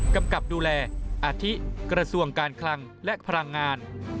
กำกับดูแลอาทิกระทรวงการคลังและพลังงาน